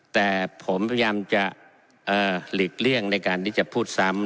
แต่ผมพยายามจะหลีกเลี่ยงในการที่จะพูดซ้ำ